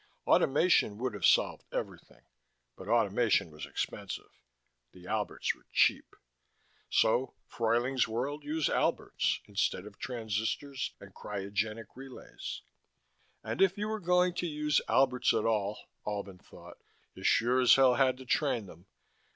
Automation would have solved everything, but automation was expensive. The Alberts were cheap so Fruyling's World used Alberts instead of transistors and cryogenic relays. And if you were going to use Alberts at all, Albin thought, you sure as hell had to train them.